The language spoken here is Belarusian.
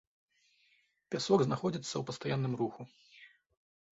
Пясок знаходзіцца ў пастаянным руху.